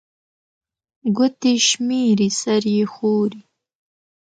ګوتي شمېري، سر يې ښوري